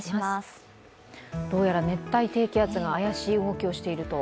どうやら、熱帯低気圧が怪しい動きをしていると。